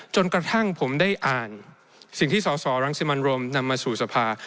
จนกระทั่งผมได้อ่านสิ่งที่สสรังสิมันโรมนำมาสู่สภา